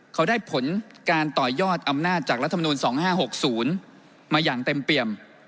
เขาได้ผลการต่อยอดอำนาจจากรัฐมนูล๒๕๖๐มาอย่างเต็มเปี่ยม